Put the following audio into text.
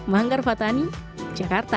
manggar fathani jakarta